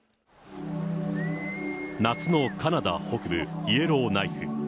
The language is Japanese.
夏のカナダ北部イエローナイフ。